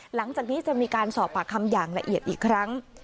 หลังจากนี้จะมีการสอบปากคำอย่างละเอียดอีกครั้ง